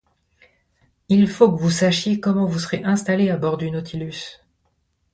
Il faut que vous sachiez comment vous serez installé à bord du Nautilus.